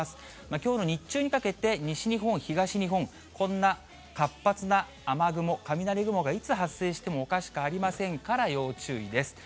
きょうの日中にかけて西日本、東日本、こんな活発な雨雲、雷雲がいつ発生してもおかしくありませんから要注意です。